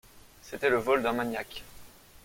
C'était le vol d'un maniaque.